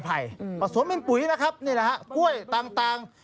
ผสมเป็นปุ๋ยนะครับนี่แหละฮะกล้วยต่าง